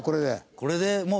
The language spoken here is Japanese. これでもう。